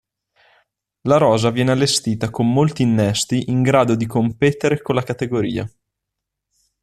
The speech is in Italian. La rosa viene allestita con molti innesti in grado di competere con la categoria.